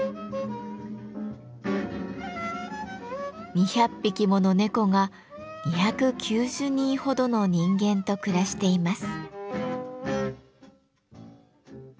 ２００匹もの猫が２９０人ほどの人間と暮らしています。